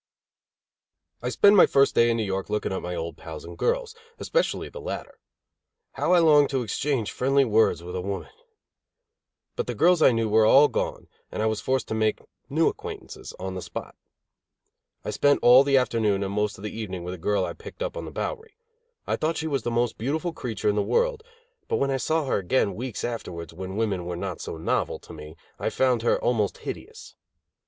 _ I spent my first day in New York looking up my old pals and girls, especially the latter. How I longed to exchange friendly words with a woman! But the girls I knew were all gone, and I was forced to make new acquaintances on the spot. I spent all the afternoon and most of the evening with a girl I picked up on the Bowery; I thought she was the most beautiful creature in the world; but when I saw her again weeks afterwards, when women were not so novel to me, I found her almost hideous.